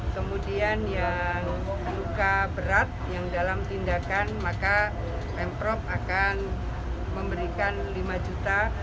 kemudian yang luka berat yang dalam tindakan maka pemprov akan memberikan lima juta